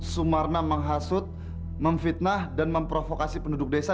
sumarna menghasut memfitnah dan memprovokasi penduduk desa